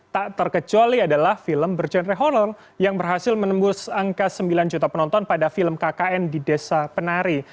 tak terkecuali adalah film bergenre horror yang berhasil menembus angka sembilan juta penonton pada film kkn di desa penari